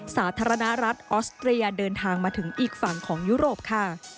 สาธารณรัฐออสเตรียเดินทางมาถึงอีกฝั่งของยุโรปค่ะ